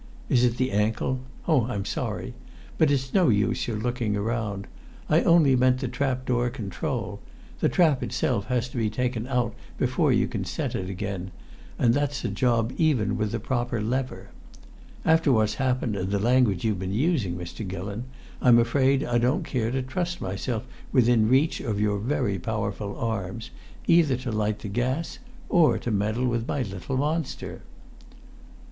Is it the ankle? Oh! I'm sorry; but it's no use your looking round. I only meant the trap door control; the trap itself has to be taken out before you can set it again, and it's a job even with the proper lever. After what's happened and the language you've been using, Mr. Gillon, I'm afraid I don't care to trust myself within reach of your very powerful arms, either to light the gas or to meddle with my little monster."